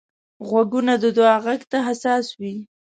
غوږونه د دعا غږ ته حساس وي